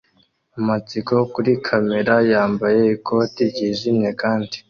amatsiko kuri kamera yambaye ikote ryijimye kandi